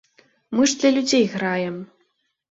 Мы ж для людзей граем.